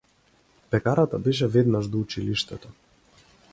Пекарата беше веднаш до училиштето.